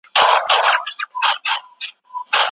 ابوعبيده رض عادل قوماندان و.